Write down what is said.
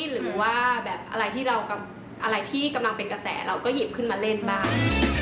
หรือว่าแบบอะไรที่เราอะไรที่กำลังเป็นกระแสเราก็หยิบขึ้นมาเล่นบ้าง